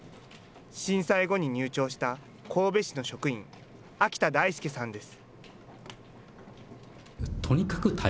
震災後に入庁した神戸市の職員、秋田大介さんです。